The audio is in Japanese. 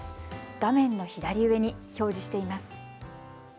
画面の左上に表示しています。